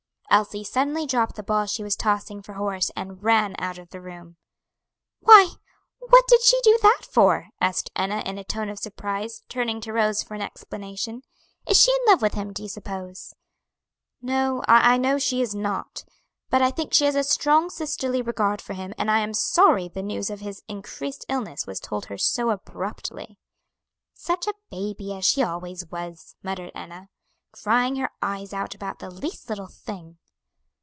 Elsie suddenly dropped the ball she was tossing for Horace and ran out of the room. "Why, what did she do that for?" asked Enna, in a tone of surprise, turning to Rose for an explanation. "Is she in love with him, do you suppose?" "No, I know she is not; but I think she has a strong sisterly regard for him, and I am sorry the news of his increased illness was told her so abruptly." "Such a baby, as she always was," muttered Enna, "crying her eyes out about the least little thing."